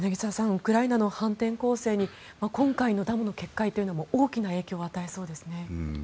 ウクライナの反転攻勢に今回のダムの決壊も大きな影響を与えそうですね。